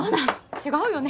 違うよね。